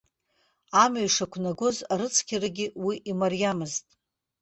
Амҩа ишақәнагоз арыцқьарагьы ус имариамызт.